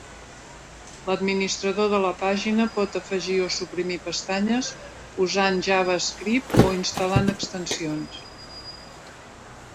L"administrador de la pàgina pot afegir o suprimir pestanyes usant JavaScript o instal·lant extensions.